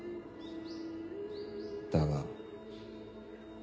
だが。